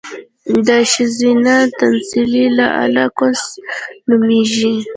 د ښځينه تناسلي اله، کوس نوميږي